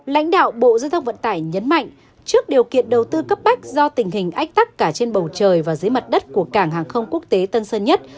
lãnh đạo bộ giao thông vận tải nhấn mạnh trước điều kiện đầu tư cấp bách do tình hình ách tắc cả trên bầu trời và dưới mặt đất của cảng hàng không quốc tế tân sơn nhất